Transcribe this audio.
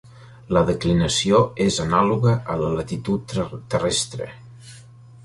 La declinació és anàloga a la latitud terrestre.